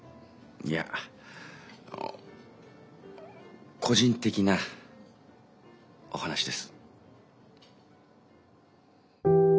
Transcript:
いえ「個人的なお話」です。